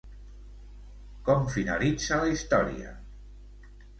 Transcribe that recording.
Com finalitza la història?